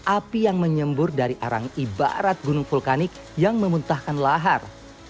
api yang menyembur dari arang ibarat gunung vulkanik yang memuntahkan lahar